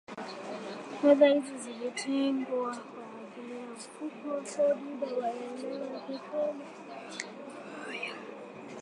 fedha hizi zilitengwa kwa ajili ya Mfuko wa kodi ya Maendeleo ya Petroli ili kuimarisha bei na kumaliza mgogoro huo